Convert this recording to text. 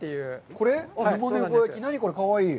これ、かわいい。